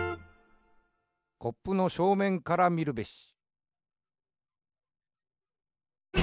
「コップのしょうめんからみるべし。」